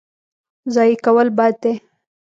ضایع کول بد دی.